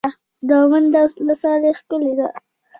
دوه منده ولسوالۍ ښکلې ده؟